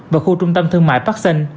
và khu trung tâm thương mại parkson